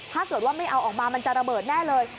ถ้าเกิดว่าไม่เอาออกมามันจะระเบิดแน่เลย